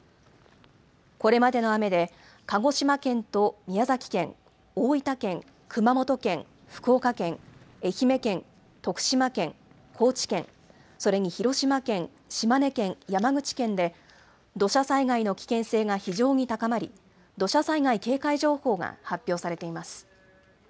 これまでの雨で、鹿児島県と宮崎県、大分県、熊本県、福岡県、愛媛県、徳島県、高知県、それに広島県、島根県、山口県で土砂災害の危険性が非常に高まり、土砂災害警戒情報が発表されています。